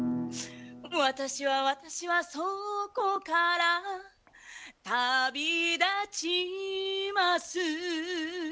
「私は私は倉庫から旅立ちます」